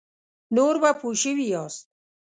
نور به پوه شوي یاست.